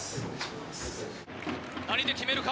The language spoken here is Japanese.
何で決めるか？